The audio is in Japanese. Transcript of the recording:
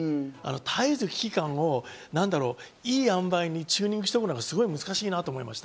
絶えず危機感をいい塩梅にチューニングしておくのが難しいなと思いました